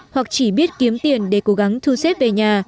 hoặc chỉ biết kiếm tiền để cố gắng thu xếp về nhà